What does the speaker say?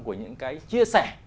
của những cái chia sẻ